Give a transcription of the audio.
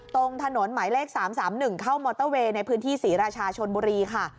ตรงถนนหมายเลข๓๓๑เข้ามอเตอร์เวย์ในพื้นที่ศรีราชาชนบุรีค่ะ